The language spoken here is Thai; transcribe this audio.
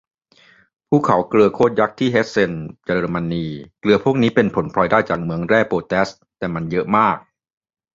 ภูเขาเกลือโคตรยักษ์ที่เฮสเซน เยอรมนี เกลือพวกนี้เป็นผลพลอยได้จากเหมืองแร่โปแตส แต่มันเยอะมาก